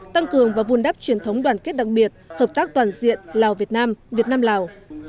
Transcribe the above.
tăng cường và vun đắp truyền thống đoàn kết đặc biệt hợp tác toàn diện lào việt nam việt nam lào